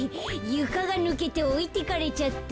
ゆかがぬけておいてかれちゃった。